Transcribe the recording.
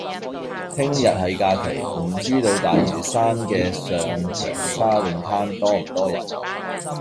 聽日係假期，唔知道大嶼山嘅上長沙泳灘多唔多人？